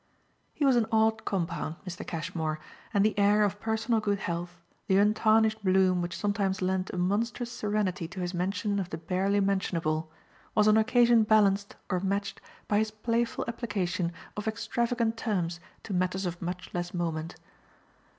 He was an odd compound, Mr. Cashmore, and the air of personal good health, the untarnished bloom which sometimes lent a monstrous serenity to his mention of the barely mentionable, was on occasion balanced or matched by his playful application of extravagant terms to matters of much less moment.